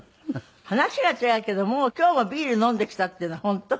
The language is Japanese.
話が違うけどもう今日もビール飲んできたっていうのは本当？